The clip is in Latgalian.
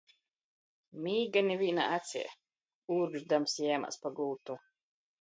Mīga nivīnā acī. Ūrkšdams jemās pa gultu.